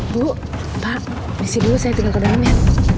bu pak disini dulu saya tinggal ke dalam ya